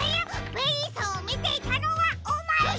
ベリーさんをみていたのはおまえか！